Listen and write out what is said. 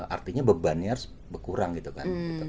artinya bebannya harus berkurang gitu kan